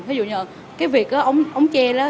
thí dụ như cái việc ống tre đó